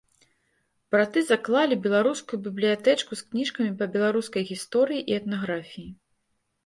Браты заклалі беларускую бібліятэчку з кніжкамі па беларускай гісторыі і этнаграфіі.